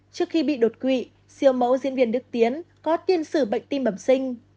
trước khi bị đột quỵ siêu mẫu diễn viên đức tiến có tiên xử bệnh tim bẩm sinh